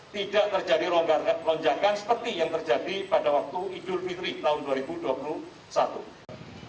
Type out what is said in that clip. tidak terjadi lonjakan seperti yang terjadi pada waktu idul fitri tahun dua ribu dua puluh satu